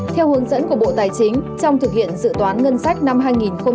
theo hướng dẫn của bộ tài chính trong thực hiện dự toán ngân sách năm hai nghìn hai mươi